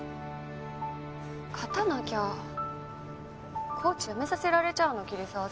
勝たなきゃコーチ辞めさせられちゃうの桐沢さん。